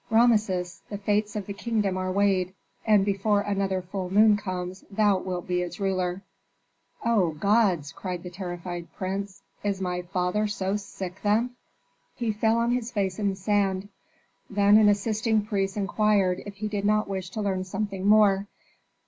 "Rameses! the fates of the kingdom are weighed, and before another full moon comes thou wilt be its ruler." "O gods!" cried the terrified prince. "Is my father so sick, then?" He fell on his face in the sand; then an assisting priest inquired if he did not wish to learn something more.